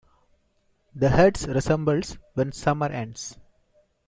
The herds reassemble when summer ends.